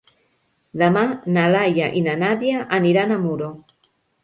Demà na Laia i na Nàdia aniran a Muro.